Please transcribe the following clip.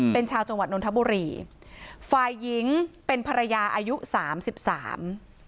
เป็นชาวจังหวัดนทบุรีฝ่ายหญิงเป็นภรรยาอายุสามสิบสาม